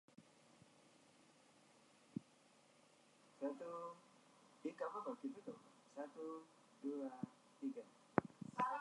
In Greek "drys" signifies "oak".